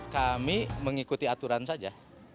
kami mengikuti aturan saja